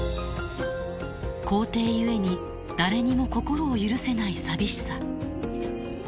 皇帝ゆえに誰にも心を許せない寂しさ。